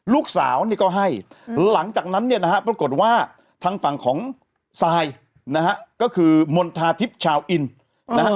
ลูกสาวนี่ก็ให้หลังจากนั้นเนี่ยนะฮะปรากฏว่าทางฝั่งของซายนะฮะก็คือมณฑาทิพย์ชาวอินนะฮะ